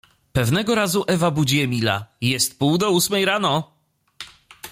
Pewnego razu Ewa budzi Emila: Jest pół do ósmej rano.